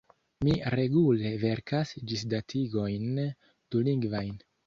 Mi regule verkas ĝisdatigojn dulingvajn.